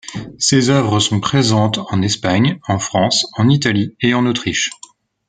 Ses œuvres sont présentes en Espagne, en France, en Italie et en Autriche.